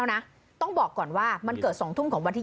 นะต้องบอกก่อนว่ามันเกิด๒ทุ่มของวันที่๒